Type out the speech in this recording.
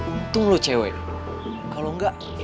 untung lo cewek kalau enggak